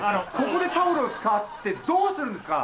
ここでタオルを使ってどうするんですか！